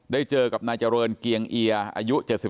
เจอกับนายเจริญเกียงเอียอายุ๗๒